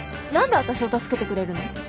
何で私を助けてくれるの？